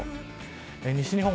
西日本